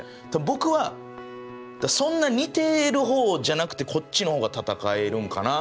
僕はそんな似てるほうじゃなくてこっちのほうが戦えるんかなとか。